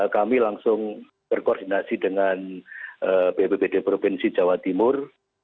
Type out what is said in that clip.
kami langsung berkoordinasi dengan bpbd provinsi jawa timur